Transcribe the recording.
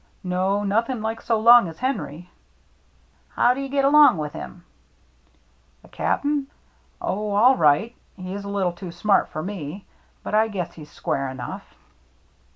" No, nothing like so long as Henry." " How do you get along with him ?"« The Cap'n ? Oh, all right. He's a little too smart for me, but I guess he's square enough."